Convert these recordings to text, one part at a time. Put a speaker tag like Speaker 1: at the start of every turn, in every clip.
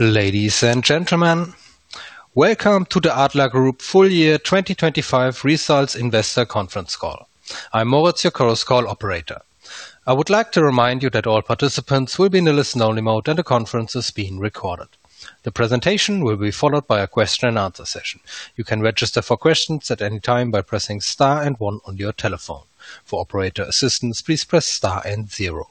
Speaker 1: Ladies and gentlemen, welcome to the Adler Group Full Year 2025 Results Investor Conference Call. I'm Moritz, your current call operator. I would like to remind you that all participants will be in a listen-only mode, and the conference is being recorded. The presentation will be followed by a question and answer session. You can register for questions at any time by pressing star and one on your telephone. For operator assistance, please press star and zero.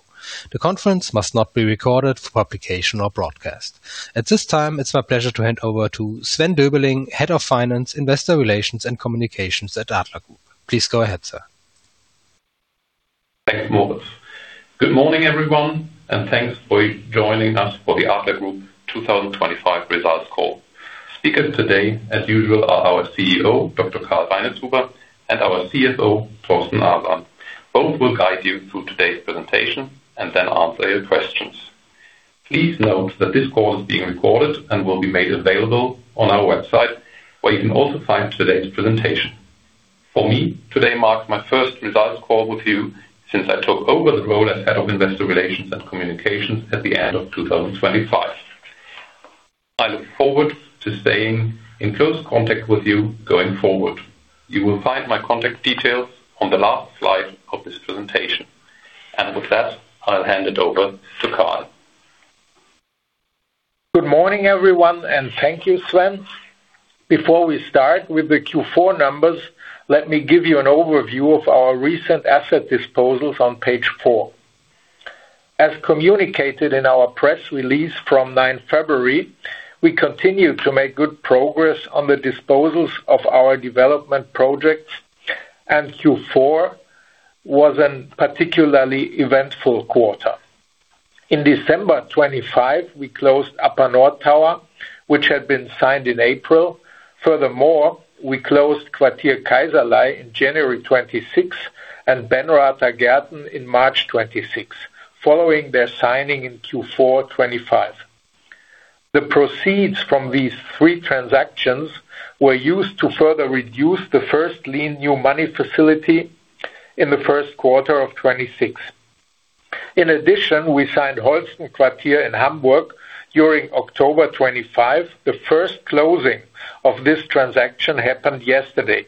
Speaker 1: The conference must not be recorded for publication or broadcast. At this time, it's my pleasure to hand over to Sven Döbeling, Head of Investor Relations and Communications at Adler Group. Please go ahead, sir.
Speaker 2: Thanks, Moritz. Good morning, everyone, and thanks for joining us for the Adler Group 2025 results call. Speakers today, as usual, are our CEO, Dr. Karl Reinitzhuber, and our CFO, Thorsten Arsan. Both will guide you through today's presentation and then answer your questions. Please note that this call is being recorded and will be made available on our website, where you can also find today's presentation. For me, today marks my first results call with you since I took over the role as Head of Investor Relations and Communications at the end of 2025. I look forward to staying in close contact with you going forward. You will find my contact details on the last slide of this presentation. With that, I'll hand it over to Karl.
Speaker 3: Good morning, everyone, and thank you, Sven. Before we start with the Q4 numbers, let me give you an overview of our recent asset disposals on page page. As communicated in our press release from 9 February, we continue to make good progress on the disposals of our development projects, and Q4 was a particularly eventful quarter. In December 2025, we closed Upper North Tower, which had been signed in April. Furthermore, we closed Quartier Kaiserlei in January 2026 and Benrather Garten in March 2026, following their signing in Q4 2025. The proceeds from these three transactions were used to further reduce the first lien new money facility in the first quarter of 2026. In addition, we signed Holsten Quartier in Hamburg during October 2025. The first closing of this transaction happened yesterday.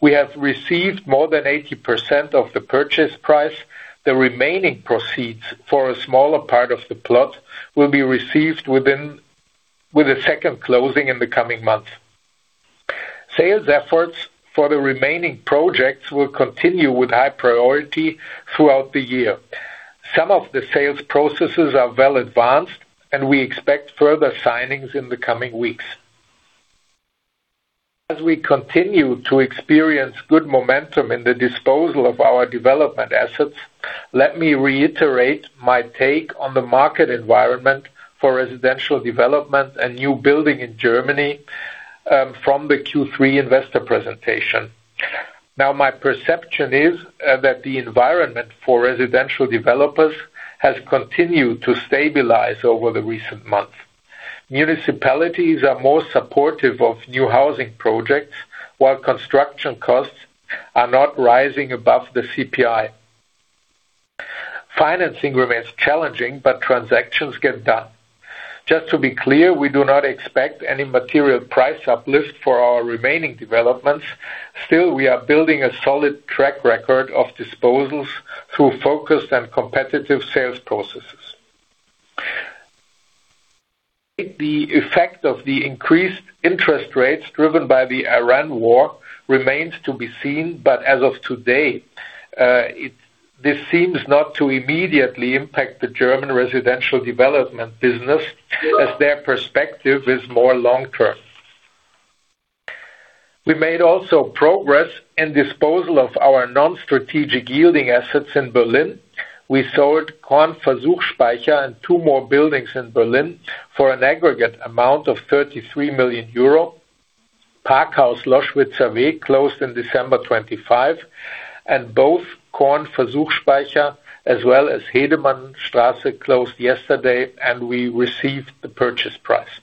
Speaker 3: We have received more than 80% of the purchase price. The remaining proceeds for a smaller part of the plot will be received with a second closing in the coming months. Sales efforts for the remaining projects will continue with high priority throughout the year. Some of the sales processes are well advanced and we expect further signings in the coming weeks. As we continue to experience good momentum in the disposal of our development assets, let me reiterate my take on the market environment for residential development and new building in Germany, from the Q3 investor presentation. Now, my perception is, that the environment for residential developers has continued to stabilize over the recent months. Municipalities are more supportive of new housing projects while construction costs are not rising above the CPI. Financing remains challenging, but transactions get done. Just to be clear, we do not expect any material price uplift for our remaining developments. Still, we are building a solid track record of disposals through focused and competitive sales processes. The effect of the increased interest rates driven by the Iran war remains to be seen, but as of today, this seems not to immediately impact the German residential development business as their perspective is more long-term. We made also progress in disposal of our non-strategic yielding assets in Berlin. We sold Kornversuchsspeicher and two more buildings in Berlin for an aggregate amount of 33 million euro. Parkhaus Loschwitzer Weg closed in December 2025, and both Kornversuchsspeicher as well as Hedemannstraße closed yesterday and we received the purchase price.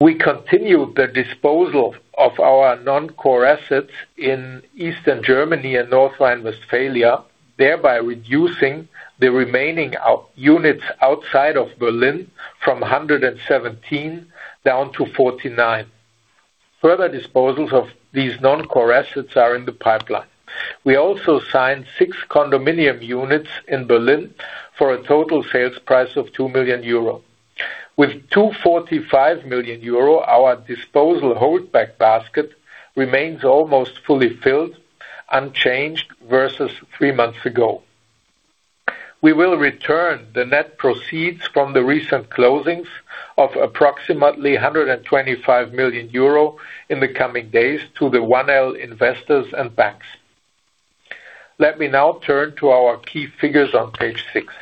Speaker 3: We continue the disposal of our non-core assets in Eastern Germany and North Rhine-Westphalia, thereby reducing the remaining units outside of Berlin from 117 down to 49. Further disposals of these non-core assets are in the pipeline. We also signed six condominium units in Berlin for a total sales price of 2 million euro. With 245 million euro, our disposal holdback basket remains almost fully filled, unchanged versus three months ago. We will return the net proceeds from the recent closings of approximately 125 million euro in the coming days to the 1L investors and banks. Let me now turn to our key figures on page six.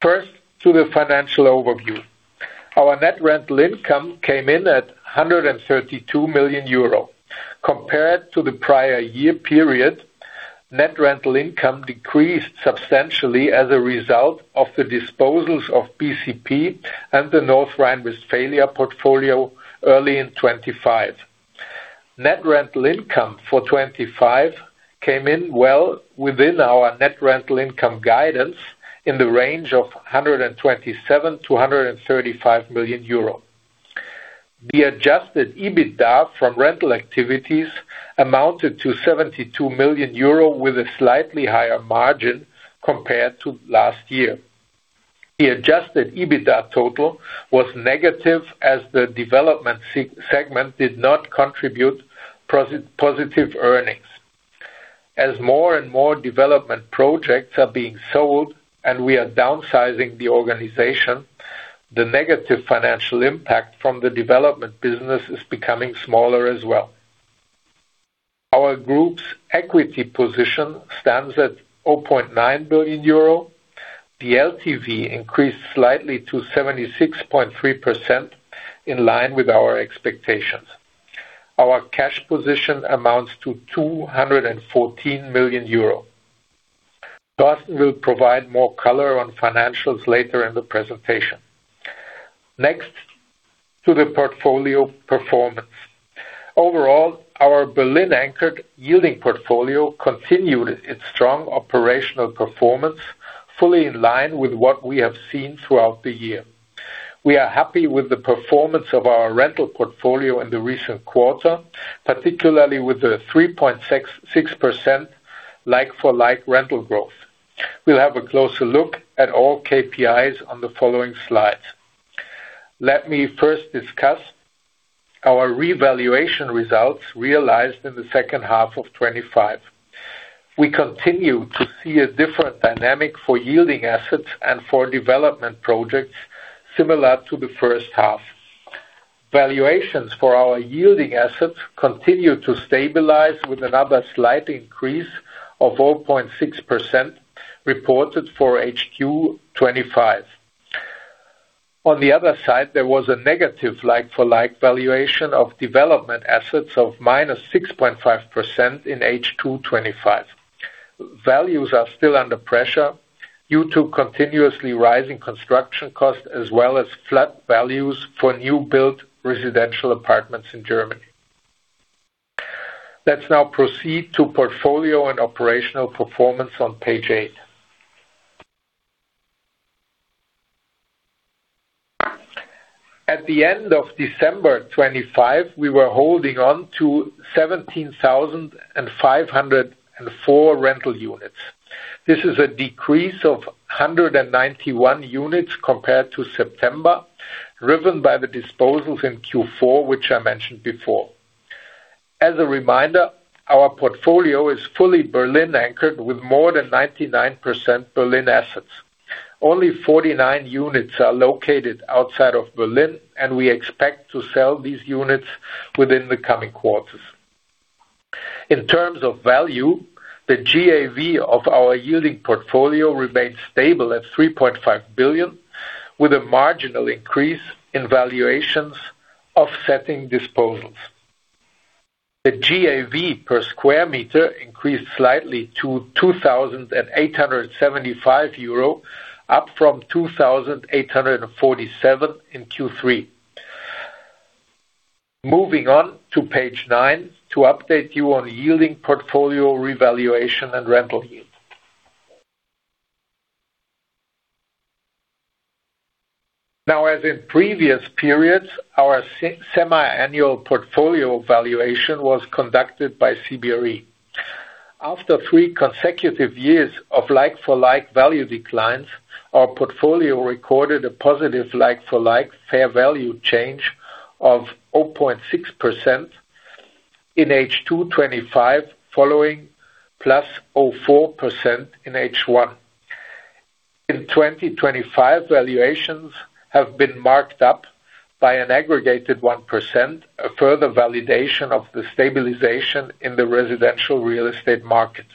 Speaker 3: First to the financial overview. Our net rental income came in at 132 million euro. Compared to the prior year period, net rental income decreased substantially as a result of the disposals of BCP and the North Rhine-Westphalia portfolio early in 2025. Net rental income for 2025 came in well within our net rental income guidance in the range of 127 million-135 million euro. The adjusted EBITDA from rental activities amounted to 72 million euro with a slightly higher margin compared to last year. The adjusted EBITDA total was negative, as the development segment did not contribute positive earnings. As more and more development projects are being sold and we are downsizing the organization, the negative financial impact from the development business is becoming smaller as well. Our group's equity position stands at 0.9 billion euro. The LTV increased slightly to 76.3% in line with our expectations. Our cash position amounts to 214 million euro. Thorsten Arsan will provide more color on financials later in the presentation. Next to the portfolio performance, overall, our Berlin anchored yielding portfolio continued its strong operational performance fully in line with what we have seen throughout the year. We are happy with the performance of our rental portfolio in the recent quarter, particularly with the 3.66% like-for-like rental growth. We'll have a closer look at all KPIs on the following slides. Let me first discuss our revaluation results realized in the second half of 2025. We continue to see a different dynamic for yielding assets and for development projects similar to the first half. Valuations for our yielding assets continue to stabilize with another slight increase of 0.6% reported for H1 2025. On the other side, there was a negative like-for-like valuation of development assets of -6.5% in H2 2025. Values are still under pressure due to continuously rising construction costs as well as flat values for newly built residential apartments in Germany. Let's now proceed to portfolio and operational performance on page eight. At the end of December 2025, we were holding on to 17,504 rental units. This is a decrease of 191 units compared to September, driven by the disposals in Q4, which I mentioned before. As a reminder, our portfolio is fully Berlin-anchored with more than 99% Berlin assets. Only 49 units are located outside of Berlin, and we expect to sell these units within the coming quarters. In terms of value, the GAV of our yielding portfolio remains stable at 3.5 billion, with a marginal increase in valuations offsetting disposals. The GAV per square meter increased slightly to 2,875 euro, up from 2,847 in Q3. Moving on to page nine to update you on yielding portfolio revaluation and rental yield. Now, as in previous periods, our semiannual portfolio valuation was conducted by CBRE. After three consecutive years of like-for-like value declines, our portfolio recorded a positive like-for-like fair value change of 0.6% in H2 2025, following +0.4% in H1. In 2025 valuations have been marked up by an aggregated 1%, a further validation of the stabilization in the residential real estate market.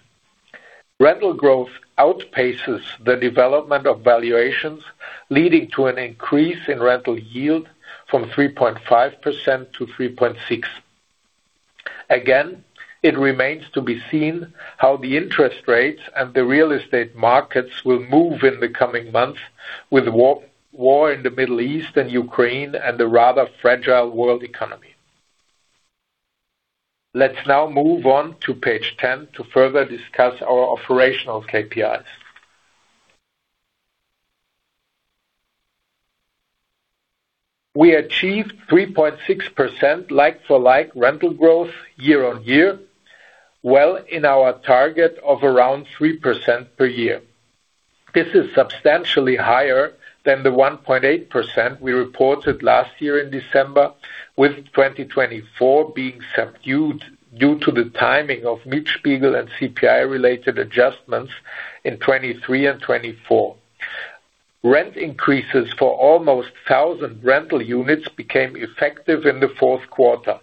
Speaker 3: Rental growth outpaces the development of valuations, leading to an increase in rental yield from 3.5%-3.6%. It remains to be seen how the interest rates and the real estate markets will move in the coming months with war in the Middle East and Ukraine and the rather fragile world economy. Let's now move on to page 10 to further discuss our operational KPIs. We achieved 3.6% like-for-like rental growth year-on-year, well in line with our target of around 3% per year. This is substantially higher than the 1.8% we reported last year in December, with 2024 being subdued due to the timing of Mietspiegel and CPI-related adjustments in 2023 and 2024. Rent increases for almost 1,000 rental units became effective in the fourth quarter.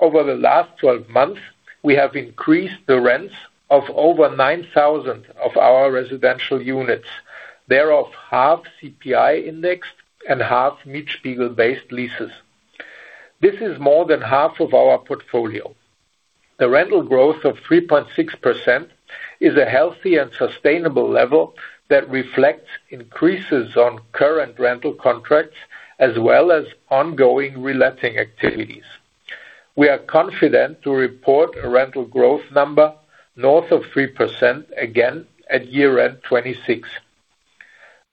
Speaker 3: Over the last 12 months, we have increased the rents of over 9,000 of our residential units. They are of half CPI-indexed and half Mietspiegel-based leases. This is more than half of our portfolio. The rental growth of 3.6% is a healthy and sustainable level that reflects increases on current rental contracts as well as ongoing re-letting activities. We are confident to report a rental growth number north of 3% again at year-end 2026.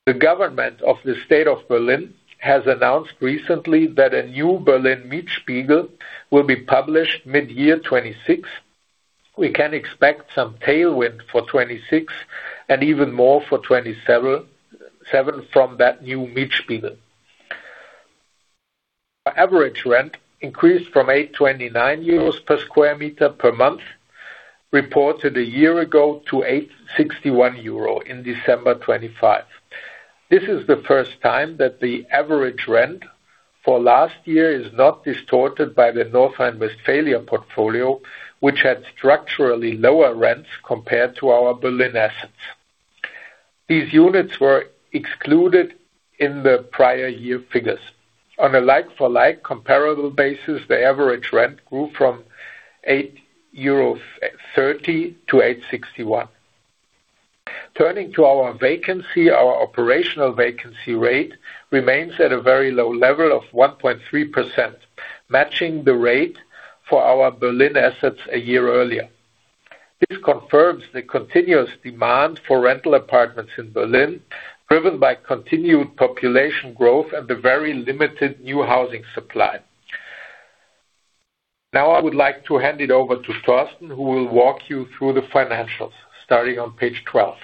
Speaker 3: The government of the state of Berlin has announced recently that a new Berliner Mietspiegel will be published mid-year 2026. We can expect some tailwind for 2026 and even more for 2027 from that new Mietspiegel. Our average rent increased from 8.29 euros per sq m per month, reported a year ago, to 8.61 euro in December 2025. This is the first time that the average rent for last year is not distorted by the North Rhine-Westphalia portfolio, which had structurally lower rents compared to our Berlin assets. These units were excluded in the prior year figures. On a like-for-like comparable basis, the average rent grew from 8.30 euros to 8.61. Turning to our vacancy, our operational vacancy rate remains at a very low level of 1.3%, matching the rate for our Berlin assets a year earlier. This confirms the continuous demand for rental apartments in Berlin, driven by continued population growth and the very limited new housing supply. Now I would like to hand it over to Thorsten, who will walk you through the financials starting on page 12.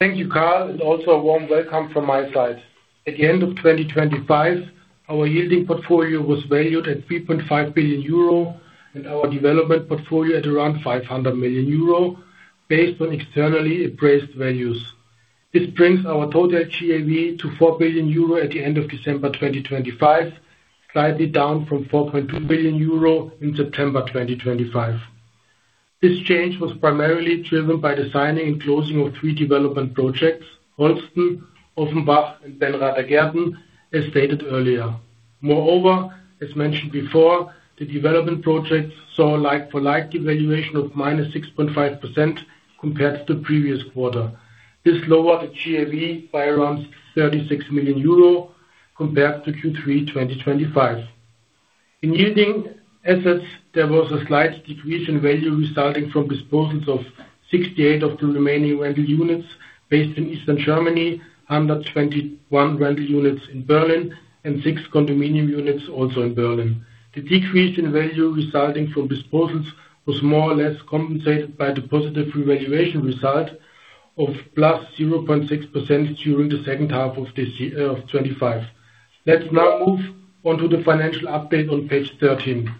Speaker 4: Thank you, Karl, and also a warm welcome from my side. At the end of 2025, our yielding portfolio was valued at 3.5 billion euro and our development portfolio at around 500 million euro based on externally appraised values. This brings our total GAV to 4 billion euro at the end of December 2025, slightly down from 4.2 billion euro in September 2025. This change was primarily driven by the signing and closing of three development projects, Holsten, Offenbach, and Benrather Garten, as stated earlier. Moreover, as mentioned before, the development projects saw a like-for-like devaluation of -6.5% compared to the previous quarter. This lowered the GAV by around 36 million euro compared to Q3 2025. In yielding assets, there was a slight decrease in value resulting from disposals of 68 of the remaining rental units based in Eastern Germany, 121 rental units in Berlin, and six condominium units also in Berlin. The decrease in value resulting from disposals was more or less compensated by the positive revaluation result of +0.6% during the second half of this year, of 2025. Let's now move on to the financial update on page 13.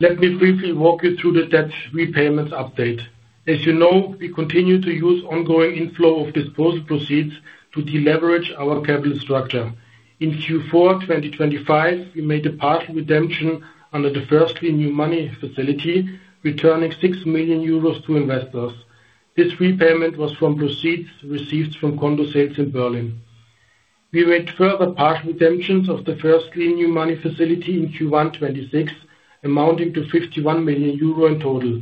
Speaker 4: Let me briefly walk you through the debt repayments update. As you know, we continue to use ongoing inflow of disposal proceeds to deleverage our capital structure. In Q4 2025, we made a partial redemption under the first lien new money facility, returning 6 million euros to investors. This repayment was from proceeds received from condo sales in Berlin. We made further partial redemptions of the first lien new money facility in Q1 2026, amounting to 51 million euro in total.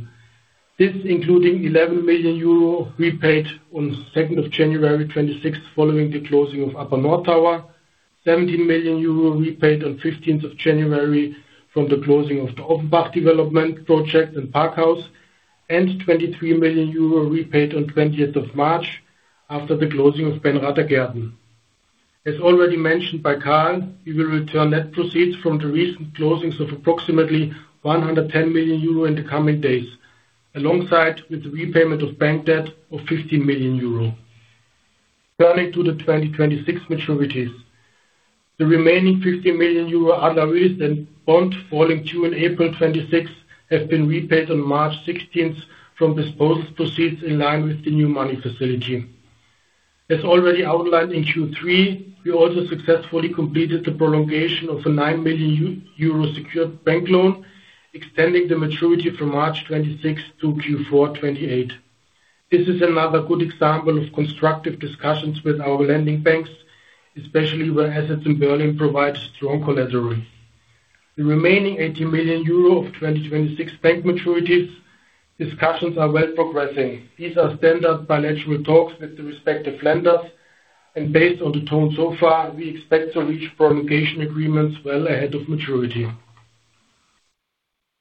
Speaker 4: This including 11 million euro repaid on 2nd of January 2026 following the closing of Upper North Tower, 17 million euro repaid on 15th of January from the closing of the Offenbach development project and Parkhaus, and 23 million euro repaid on 20th of March after the closing of Benrather Garten. As already mentioned by Karl, we will return net proceeds from the recent closings of approximately 110 million euro in the coming days, alongside with the repayment of bank debt of 15 million euro. Turning to the 2026 maturities. The remaining 50 million euro under recent bond falling due in April 2026 have been repaid on March 16th from disposal proceeds in line with the new money facility. As already outlined in Q3, we also successfully completed the prolongation of a 9 million euro secured bank loan, extending the maturity from March 2026 to Q4 2028. This is another good example of constructive discussions with our lending banks, especially where assets in Berlin provide strong collateral. The remaining 80 million euro of 2026 bank maturities discussions are well progressing. These are standard bilateral talks with the respective lenders, and based on the tone so far, we expect to reach prolongation agreements well ahead of maturity.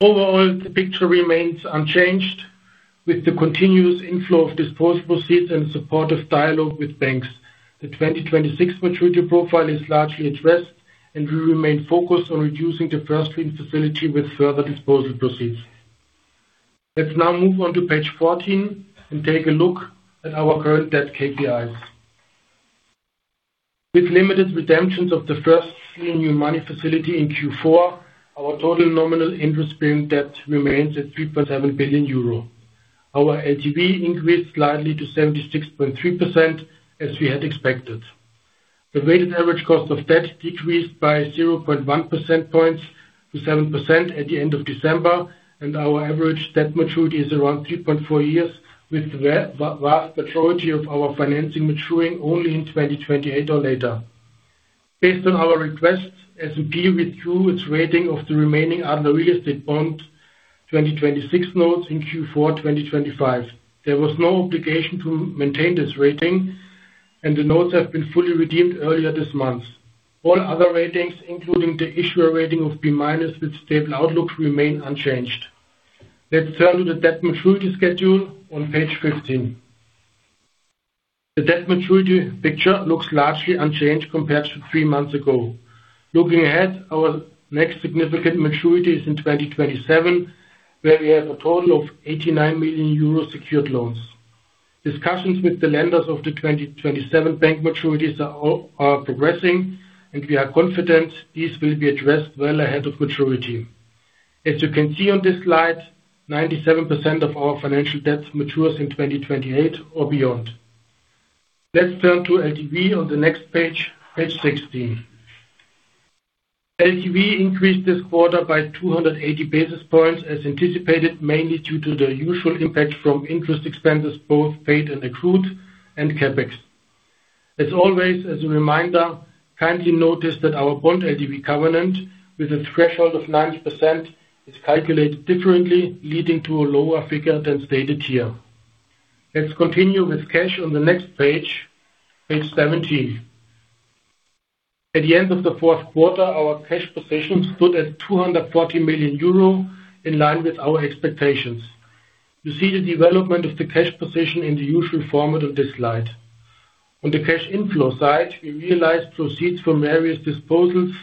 Speaker 4: Overall, the picture remains unchanged with the continuous inflow of disposal proceeds and supportive dialogue with banks. The 2026 maturity profile is largely addressed, and we remain focused on reducing the first lien facility with further disposal proceeds. Let's now move on to page 14 and take a look at our current debt KPIs. With limited redemptions of the first new money facility in Q4, our total nominal interest-bearing debt remains at 3.7 billion euro. Our LTV increased slightly to 76.3% as we had expected. The weighted average cost of debt decreased by 0.1 percentage points to 7% at the end of December, and our average debt maturity is around 2.4 years, with vast majority of our financing maturing only in 2028 or later. Based on our request, S&P withdrew its rating of the remaining other real estate bonds 2026 notes in Q4 2025. There was no obligation to maintain this rating, and the notes have been fully redeemed earlier this month. All other ratings, including the issuer rating of B- with stable outlook, remain unchanged. Let's turn to the debt maturity schedule on page 15. The debt maturity picture looks largely unchanged compared to three months ago. Looking ahead, our next significant maturity is in 2027, where we have a total of 89 million euro secured loans. Discussions with the lenders of the 2027 bank maturities are all progressing, and we are confident these will be addressed well ahead of maturity. As you can see on this slide, 97% of our financial debts matures in 2028 or beyond. Let's turn to LTV on the next page 16. LTV increased this quarter by 280 basis points as anticipated, mainly due to the usual impact from interest expenses, both paid and accrued, and CapEx. As always, as a reminder, kindly notice that our bond LTV covenant with a threshold of 90% is calculated differently, leading to a lower figure than stated here. Let's continue with cash on the next page 17. At the end of the fourth quarter, our cash position stood at 240 million euro in line with our expectations. You see the development of the cash position in the usual format of this slide. On the cash inflow side, we realized proceeds from various disposals,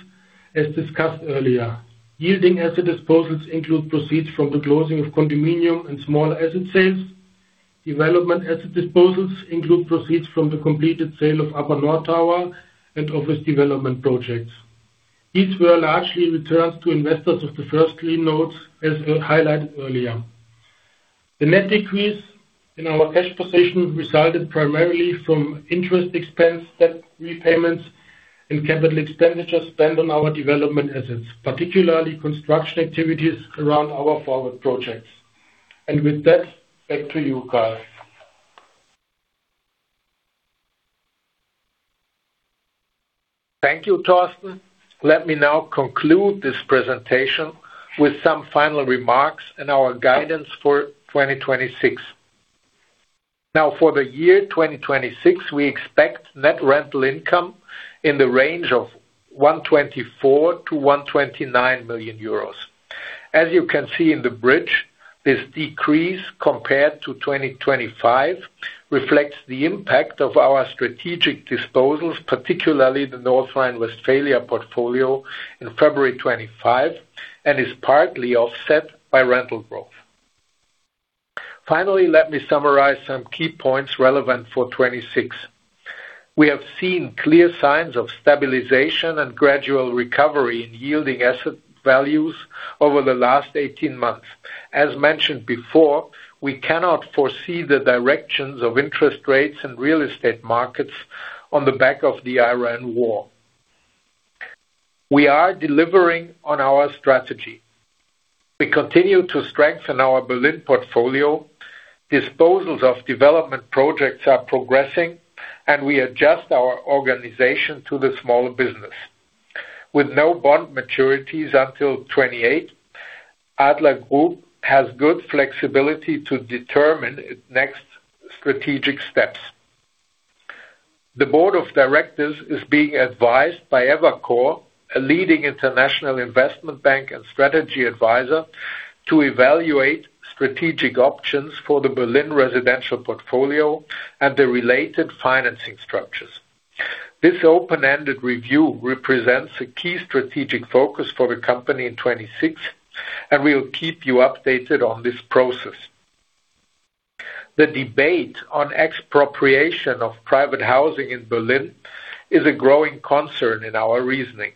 Speaker 4: as discussed earlier. Yielding asset disposals include proceeds from the closing of condominium and small asset sales. Development asset disposals include proceeds from the completed sale of Upper North Tower and office development projects. These were largely returns to investors of the first lien notes, as highlighted earlier. The net decrease in our cash position resulted primarily from interest expense, debt repayments, and capital expenditures spent on our development assets, particularly construction activities around our forward projects. With that, back to you, Karl.
Speaker 3: Thank you, Thorsten. Let me now conclude this presentation with some final remarks and our guidance for 2026. For the year 2026, we expect net rental income in the range of 124 million-129 million euros. As you can see in the bridge, this decrease compared to 2025 reflects the impact of our strategic disposals, particularly the North Rhine-Westphalia portfolio in February 2025, and is partly offset by rental growth. Finally, let me summarize some key points relevant for 2026. We have seen clear signs of stabilization and gradual recovery in yielding asset values over the last eighteen months. As mentioned before, we cannot foresee the directions of interest rates in real estate markets on the back of the Iran war. We are delivering on our strategy. We continue to strengthen our Berlin portfolio. Disposals of development projects are progressing, and we adjust our organization to the smaller business. With no bond maturities until 2028, Adler Group has good flexibility to determine its next strategic steps. The board of directors is being advised by Evercore, a leading international investment bank and strategy advisor, to evaluate strategic options for the Berlin residential portfolio and the related financing structures. This open-ended review represents a key strategic focus for the company in 2026, and we'll keep you updated on this process. The debate on expropriation of private housing in Berlin is a growing concern in our reasoning.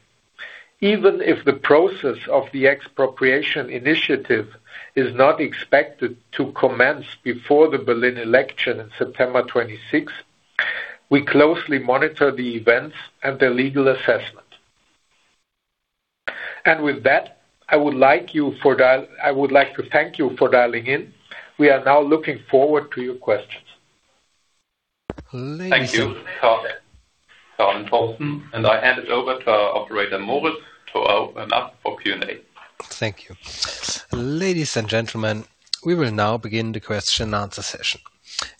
Speaker 3: Even if the process of the expropriation initiative is not expected to commence before the Berlin election in September 2026, we closely monitor the events and the legal assessment. With that, I would like to thank you for dialing in. We are now looking forward to your questions.
Speaker 2: Thank you, Karl and Thorsten. I hand it over to our operator, Moritz, to open up for Q&A.
Speaker 1: Thank you. Ladies and gentlemen, we will now begin the question and answer session.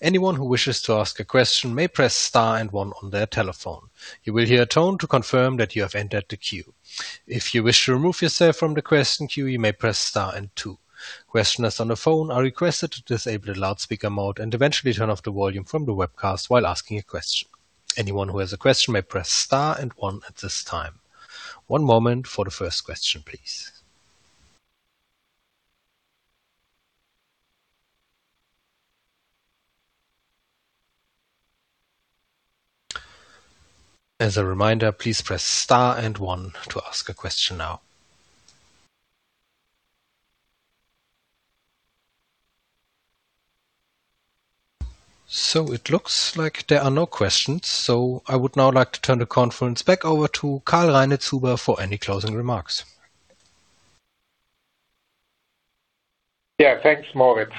Speaker 1: Anyone who wishes to ask a question may press star and one on their telephone. You will hear a tone to confirm that you have entered the queue. If you wish to remove yourself from the question queue, you may press star and two. Questioners on the phone are requested to disable the loudspeaker mode and eventually turn off the volume from the webcast while asking a question. Anyone who has a question may press star and one at this time. One moment for the first question, please. As a reminder, please press star and one to ask a question now. It looks like there are no questions. I would now like to turn the conference back over to Dr. Karl Reinitzhuber for any closing remarks.
Speaker 3: Yeah. Thanks, Moritz.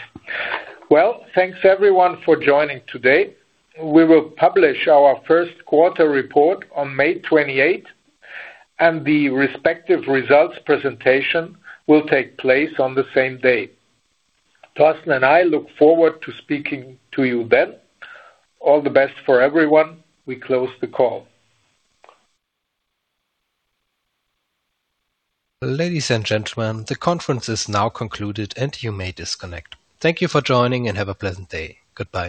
Speaker 3: Well, thanks everyone for joining today. We will publish our first quarter report on May 28, and the respective results presentation will take place on the same day. Thorsten and I look forward to speaking to you then. All the best for everyone. We close the call.
Speaker 1: Ladies and gentlemen, the conference is now concluded and you may disconnect. Thank you for joining and have a pleasant day. Goodbye.